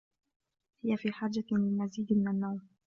هي في حاجة للمزيد من النوم.